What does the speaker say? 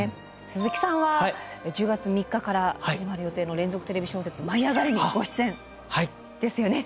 鈴木さんは１０月３日から始まる予定の連続テレビ小説「舞いあがれ！」にご出演ですよね。